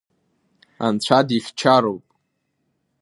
Анцәа дихьчароуп.